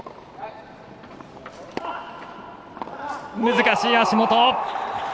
難しい、足元！